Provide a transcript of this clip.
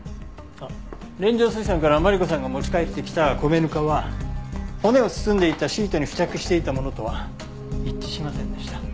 あっ連城水産からマリコさんが持ち帰ってきた米ぬかは骨を包んでいたシートに付着していたものとは一致しませんでした。